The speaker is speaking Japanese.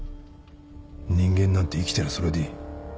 人間なんて生きてりゃそれでいい。